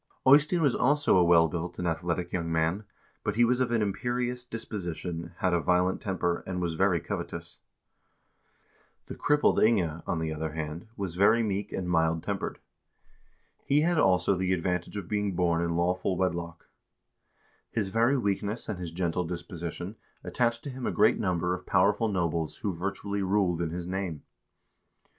Eystein was also a well built and athletic young man, but he was of an imperious disposition, had a violent temper, and was very covetous. 1 Orkneyingasaga, oh. lxxx. THE SECOND STAGE OP CIVIL WARS 359 The crippled Inge, on the other hand, was very meek and mild tempered.1 He had also the advantage of being born in lawful wed lock. His very weakness and his gentle disposition attached to him a great number of powerful nobles who virtually ruled in his name.